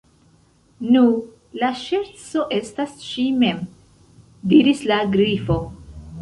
"Nu, la ŝerco estas ŝi mem," diris la Grifo.